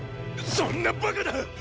そんなバカな！